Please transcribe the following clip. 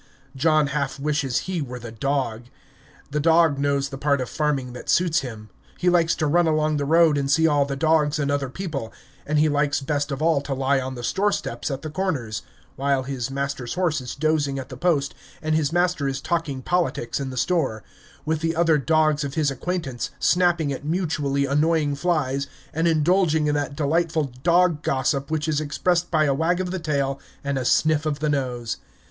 John half wishes he were the dog. The dog knows the part of farming that suits him. He likes to run along the road and see all the dogs and other people, and he likes best of all to lie on the store steps at the Corners while his master's horse is dozing at the post and his master is talking politics in the store with the other dogs of his acquaintance, snapping at mutually annoying flies, and indulging in that delightful dog gossip which is expressed by a wag of the tail and a sniff of the nose.